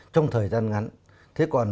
trong thời gian ngắn thế còn